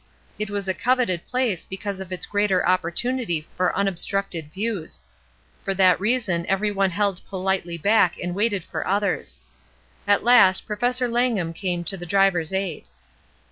It was a coveted place because of its greater opportunity for imobstructed views. For that reason every one held pohtely back and waited for others. At last Professor Langham came to the driver's aid.